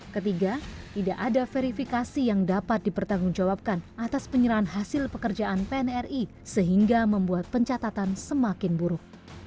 ketiga tidak ada verifikasi yang dapat dipertanggungjawabkan atas penyerahan hasil pekerjaan pnri sehingga membuat pencatatan semakin buruk